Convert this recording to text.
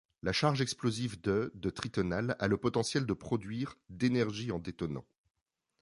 La charge explosive de de tritonal a le potentiel de produire d'énergie en détonant.